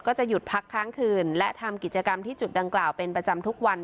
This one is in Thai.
ก็จะหยุดพักค้างคืนและทำกิจกรรมที่จุดดังกล่าวเป็นประจำทุกวัน